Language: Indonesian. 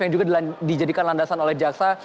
yang juga dijadikan landasan oleh jaksa